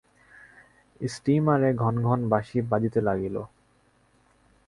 স্টীমারে ঘন ঘন বাঁশি বাজিতে লাগিল।